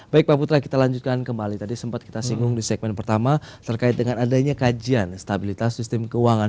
baik pak putra kita lanjutkan kembali tadi sempat kita singgung di segmen pertama terkait dengan adanya kajian stabilitas sistem keuangan